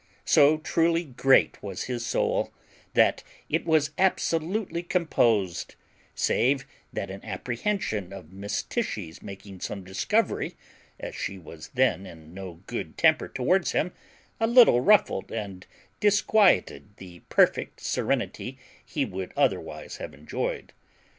So truly great was his soul that it was absolutely composed, save that an apprehension of Miss Tishy's making some discovery (as she was then in no good temper towards him) a little ruffled and disquieted the perfect serenity he would otherwise have enjoyed.